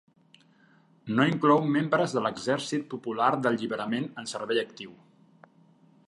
No inclou membres de l'Exèrcit Popular d'Alliberament en servei actiu.